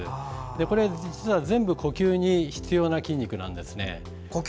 これ、実は全部呼吸に必要な筋肉です。